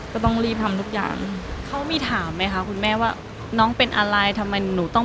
ก็ต้องรีบทำทุกอย่าง